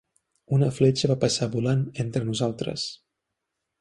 Una fletxa va passar volant entre nosaltres.